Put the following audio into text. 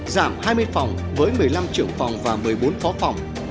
giảm hai mươi phòng với một mươi năm trưởng phòng và một mươi bốn phó phòng